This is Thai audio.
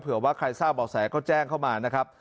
เผื่อว่าใครทราบออกแสงเขาแจ้งเข้ามานะครับ